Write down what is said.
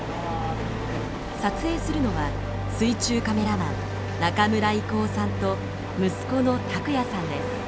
撮影するのは水中カメラマン中村征夫さんと息子の卓哉さんです。